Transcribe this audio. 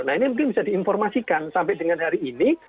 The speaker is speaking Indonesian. nah ini mungkin bisa diinformasikan sampai dengan hari ini